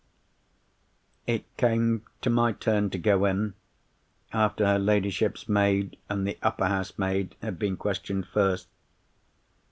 "It came to my turn to go in, after her ladyship's maid and the upper housemaid had been questioned first.